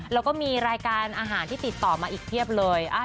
แล้วก็มีรายการอาหารที่ติดต่อมาอีกเพียบเลย